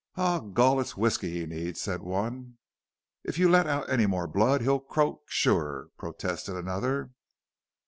"Aw, Gul, it's whisky he needs," said one. "If you let out any more blood he'll croak sure," protested another.